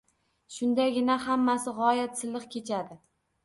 Shundagina hammasi gʻoyat silliq kechadi.